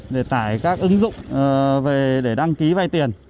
để tải các ứng dụng về để đăng ký vay tiền